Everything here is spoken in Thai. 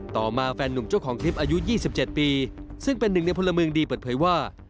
ต่อมาแฟนหนุ่มเจ้าของคลิปอายุ๒๗ปีซึ่งเป็นหนึ่งในพลเมืองดีเปิดเผยว่า